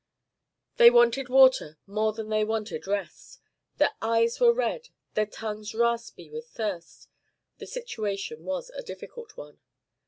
They wanted water more than they wanted rest. Their eyes were red, their tongues raspy with thirst. The situation was a difficult one.